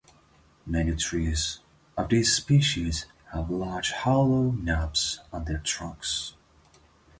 Many trees of this species have large hollow knobs on their trunks.